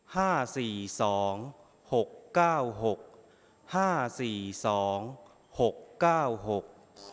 ห้าสี่สองหกเก้าหกห้าสี่สองหกเก้าหก